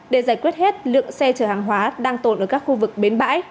để giải quyết hết lượng xe chở hàng hóa đang tồn ở các khu vực bến bãi